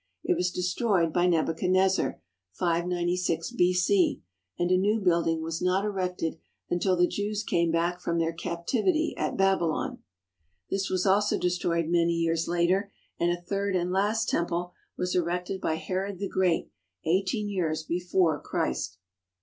It was destroyed by Nebuchadnezzar, 596 b. c, and a new building was not erected until the Jews came back from their captivity at Babylon. This was also destroyed many years later and a third and last temple was erected by Herod the Great eighteen years before Christ.